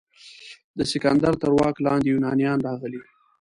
د سکندر تر واک لاندې یونانیان راغلي.